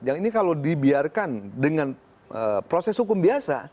yang ini kalau dibiarkan dengan proses hukum biasa